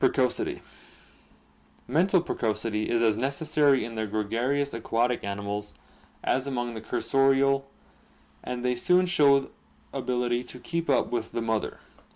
Precocity. — Mental precocity is as necessary in the gregarious aquatic animals as among the cursorial, and they soon show ability to keep up with the mother.